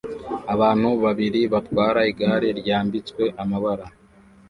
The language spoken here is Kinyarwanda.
Abantu babiri batwara igare ryambitswe amabara